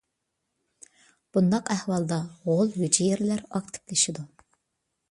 بۇنداق ئەھۋالدا غول ھۈجەيرىلەر ئاكتىپلىشىدۇ.